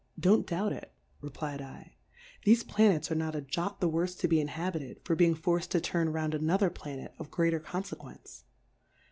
0 Difcourfes on the doubt it, replfdl^ thefe Planets are not a jot the worfe to be inhabited, for be ing forcM to turn round another Planet of greater Confequence.